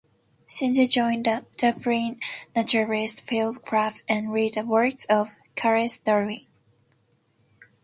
Synge joined the Dublin Naturalists' Field Club and read the works of Charles Darwin.